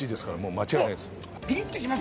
間違いないです。